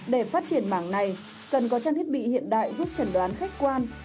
để phát triển mảng này cần có trang thiết bị hiện đại giúp trần đoán khách quan